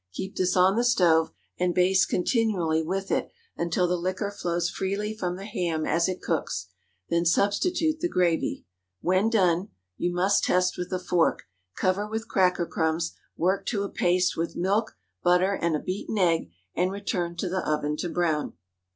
Keep this on the stove and baste continually with it until the liquor flows freely from the ham as it cooks; then substitute the gravy. When done (you must test with a fork), cover with cracker crumbs, worked to a paste with milk, butter, and a beaten egg, and return to the oven to brown.